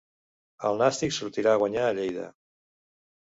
El Nàstic sortirà a guanyar a Lleida.